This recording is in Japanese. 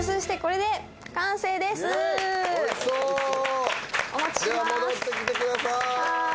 では戻ってきてください」